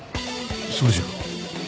それじゃ。